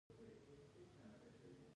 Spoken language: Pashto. اسټراليا او انګليستان لومړۍ ټېسټ بازي وکړه.